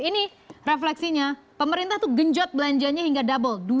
ini refleksinya pemerintah itu genjot belanjanya hingga double